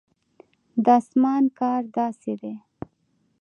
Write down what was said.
د اسمان کار داسې دی.